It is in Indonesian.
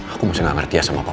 aku masih gak ngerti ya sama papa